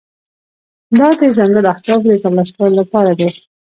دا د ځانګړو اهدافو د ترلاسه کولو لپاره دی.